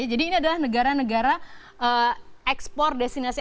jadi ini adalah negara negara ekspor destinasi